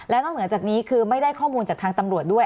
นอกเหนือจากนี้คือไม่ได้ข้อมูลจากทางตำรวจด้วย